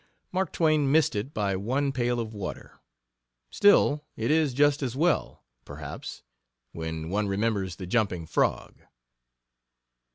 Mark Twain missed it by one pail of water. Still, it is just as well, perhaps, when one remembers The Jumping Frog.